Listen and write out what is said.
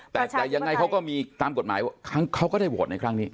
แต่อย่างมั้ยเค้าก็มีตามกฎหมายบอกเค้าก็ได้โวชน์ในครั้งนี้